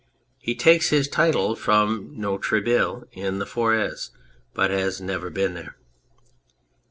He takes his title from Noirctable in the Forez, but he has never been there.